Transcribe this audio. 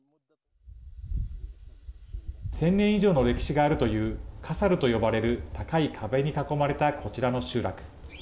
１０００年以上の歴史があるというカサルと呼ばれる高い壁に囲まれたこちらの集落。